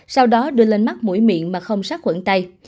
sau đó đưa lên mắt mũi miệng mà không sát khuẩn tay